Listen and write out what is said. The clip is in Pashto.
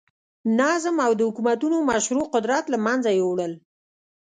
نظم او د حکومتونو مشروع قدرت له منځه یووړل.